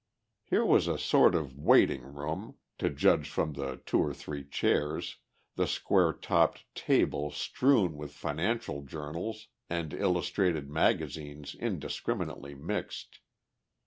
Here was a sort of waiting room, to judge from the two or three chairs, the square topped table strewn with financial journals and illustrated magazines indiscriminately mixed.